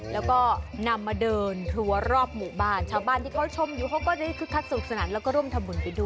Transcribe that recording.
แล้วก็นำมาเดินทัวรอบหมู่บ้านชาวบ้านที่เขาชมอยู่เขาก็ได้คึกคักสนุกสนานแล้วก็ร่วมทำบุญไปด้วย